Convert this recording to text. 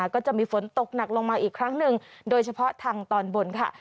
ก็จะมีฝนตกหนักลงมาอีกครั้งหนึ่งโดยเฉพาะทางตอนบนค่ะ